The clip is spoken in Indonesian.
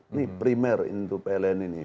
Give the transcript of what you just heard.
ini primer untuk pln ini